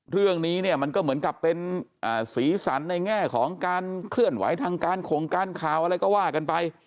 เรื่องนี้เนี่ยมันก็เหมือนกับเป็นสีสันในแง่ของการเคลื่อนไหวทางการโครงการข่าวอะไรก็ว่ากันไป